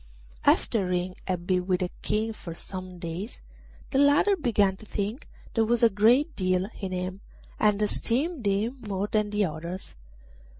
After Ring had been with the King for some days the latter began to think there was a great deal in him, and esteemed him more than the others.